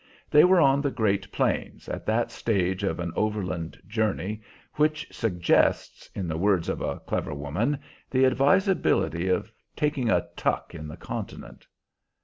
They were on the Great Plains, at that stage of an overland journey which suggests, in the words of a clever woman, the advisability of "taking a tuck in the continent."